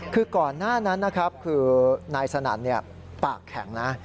คือก่อนหน้านั้นนะครับคือนายสนั่นปากแข็งนะ